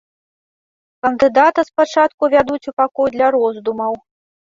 Кандыдата спачатку вядуць у пакой для роздумаў.